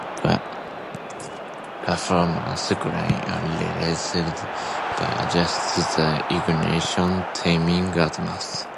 Performance gains are realized by adjusting the ignition timing advance.